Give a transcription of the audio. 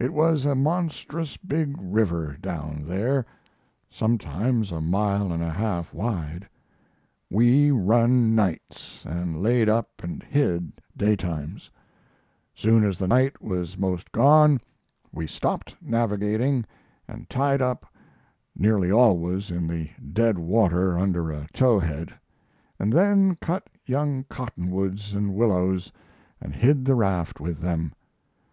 It was a monstrous big river down there sometimes a mile and a half wide; we run nights and laid up and hid daytimes; soon as the night was most gone we stopped navigating and tied up nearly always in the dead water under a towhead; and then cut young cottonwoods and willows and hid the raft with them.